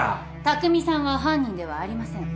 拓未さんは犯人ではありません。